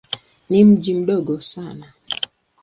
Ni mji mdogo sana.